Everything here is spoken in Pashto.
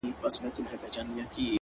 باور کمزوری وي نو حرکت ماتېږي